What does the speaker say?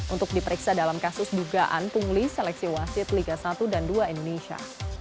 untuk diperiksa dalam kasus dugaan pungli seleksi wasit liga satu dan dua indonesia